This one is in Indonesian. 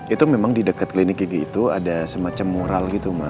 itu memang di deket klinik gigi itu ada semacam moral gitu ma